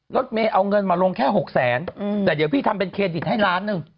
รถเมย์เอาเงินมาลงแค่๖แสนแต่เดี๋ยวพี่ทำเป็นเครดิตให้ล้านหนึ่ง